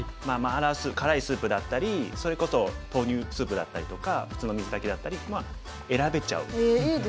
辛いスープだったりそれこそ豆乳スープだったりとか普通の水炊きだったり選べちゃう両方。